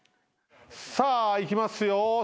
さあいきますよ